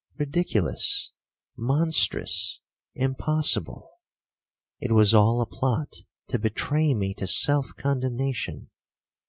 —ridiculous, monstrous, impossible! it was all a plot to betray me to self condemnation.